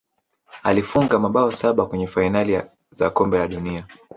alifunga mabao saba kwenye fainali za kombe la dunia